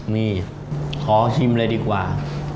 นี่ขอชิมเลยดีกว่า